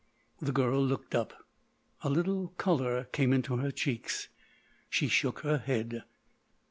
The girl looked up. A little colour came into her cheeks. She shook her head.